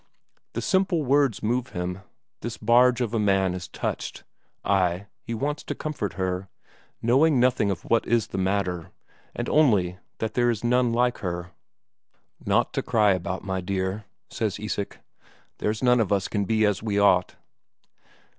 The simple words move him; this barge of a man is touched, ay, he wants to comfort her, knowing nothing of what is the matter, but only that there is none like her. "Naught to cry about, my dear," says Isak. "There's none of us can be as we ought."